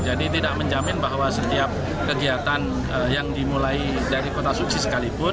jadi tidak menjamin bahwa setiap kegiatan yang dimulai dari kota suci sekalipun